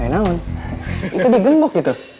eh naon itu digembok gitu